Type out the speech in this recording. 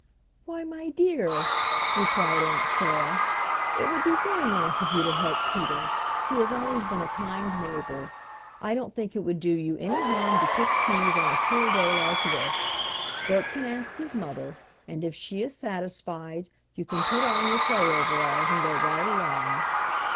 "Why, my dear," replied Aunt Sarah, "it would be very nice of you to help Peter; he has always been a kind neighbor. I don't think it would do you any harm to pick peas on a cool day like this. Bert can ask his mother, and if she is satisfied you can put on your play overalls and go right along."